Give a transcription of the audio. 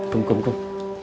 kum kum kum